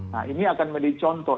nah ini akan menjadi contoh